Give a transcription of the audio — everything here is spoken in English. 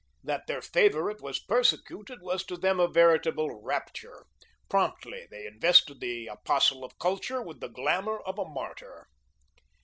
That their favourite was persecuted, was to them a veritable rapture. Promptly they invested the apostle of culture with the glamour of a martyr.